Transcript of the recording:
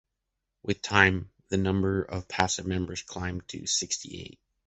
With time, the number of passive members climbed to sixty-eight.